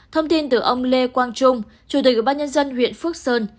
thông tin từ ông lê quang trung chủ tịch ubnd huyện phước sơn